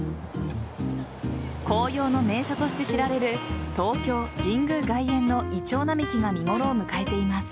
紅葉の名所として知られる東京・神宮外苑のイチョウ並木が見頃を迎えています。